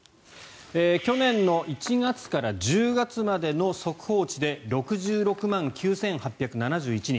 去年の１月から１０月までの速報値で６６万９８７１人。